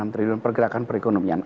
enam triliun pergerakan perekonomian